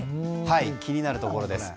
気になるところです。